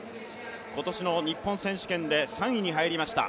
今年の日本選手権で３位に入りました。